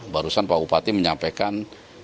barusan pak upati menyampaikan dua puluh sembilan